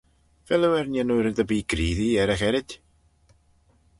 Vel oo er n'yannoo red erbee greesee er y gherrid?